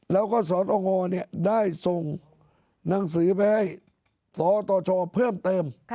แล้วก็สตงได้ส่งหนังสือไปให้สตชเพิ่มเติม